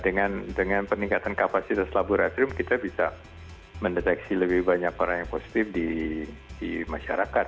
dengan peningkatan kapasitas laboratorium kita bisa mendeteksi lebih banyak orang yang positif di masyarakat